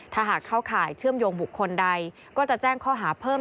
ถ้าหากเข้าข่ายเชื่อมโยงบุคคลใดก็จะแจ้งข้อหาเพิ่ม